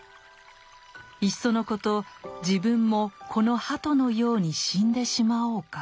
いっそのこと自分もこの鳩のように死んでしまおうか。